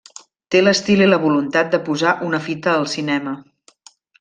Té l'estil i la voluntat de posar una fita al cinema.